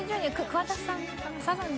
桑田さん。